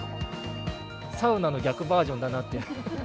サウナの逆バージョンだなっていう。